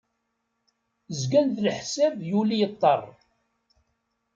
Zgan d leḥsab yuli yeṭṭer.